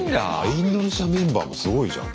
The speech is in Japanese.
インドネシアメンバーもすごいじゃん。